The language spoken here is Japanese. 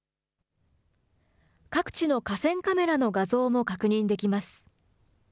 各地の河川カメラの画像も確認できます。